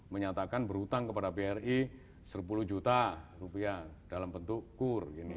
menyatakan berhutang kepada bri sepuluh juta rupiah dalam bentuk kur